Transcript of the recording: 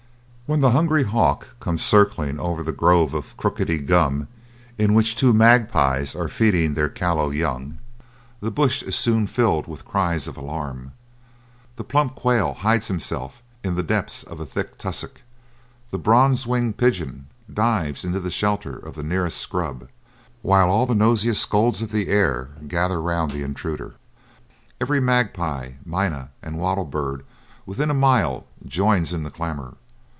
When the hungry hawk comes circling over the grove of crookedy gum in which two magpies are feeding their callow young, the bush is soon filled with cries of alarm. The plump quail hides himself in the depths of a thick tussock; the bronze winged pigeon dives into the shelter of the nearest scrub, while all the noisiest scolds of the air gather round the intruder. Every magpie, minah, and wattle bird within a mile joins in the clamour.